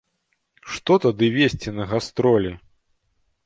Што тады везці на гастролі?